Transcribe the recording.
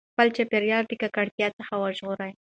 خپل چاپېریال د ککړتیا څخه وژغورئ.